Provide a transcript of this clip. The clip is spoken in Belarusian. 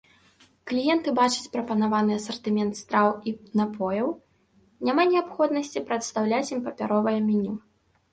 Кліенты бачаць прапанаваны асартымент страў і напояў, няма неабходнасці прадастаўляць ім папяровае меню.